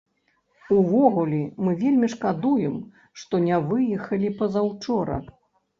Увогуле, мы вельмі шкадуем, што не выехалі пазаўчора.